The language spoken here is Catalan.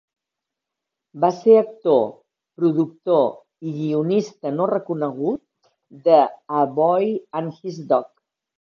Va ser actor, productor i guionista no reconegut de "A Boy and His Dog".